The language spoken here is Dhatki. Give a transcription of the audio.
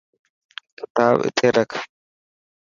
ڪتاب اتي رک.